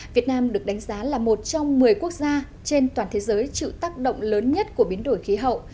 việt nam được đánh giá là một trong một mươi quốc gia trên toàn thế giới chịu tác động lớn nhất của biến đổi khí hậu